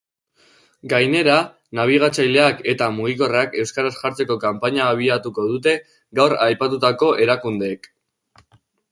Gainera, nabigatzaileak eta mugikorrak euskaraz jartzeko kanpaina abiatuko dute gaur aipatutako erakundeek.